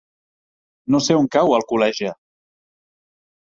No sé on cau Alcoleja.